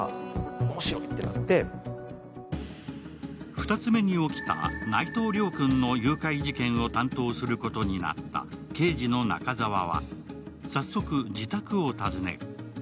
２つ目に起きた内藤亮君の誘拐事件を担当することになった刑事の中澤は早速、自宅を訪ねる。